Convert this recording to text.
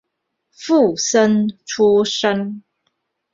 附生出身。